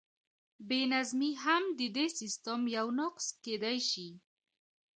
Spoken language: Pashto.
بې نظمي هم د دې سیسټم یو نقص کیدی شي.